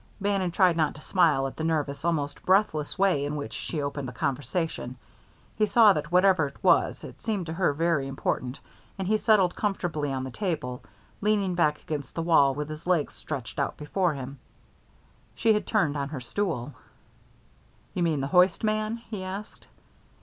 Bannon tried not to smile at the nervous, almost breathless way in which she opened the conversation. He saw that, whatever it was, it seemed to her very important, and he settled comfortably on the table, leaning back against the wall with his legs stretched out before him. She had turned on her stool. "You mean the hoist man?" he asked.